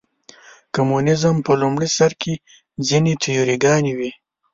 کمونیزم په لومړي سر کې ځینې تیوري ګانې وې.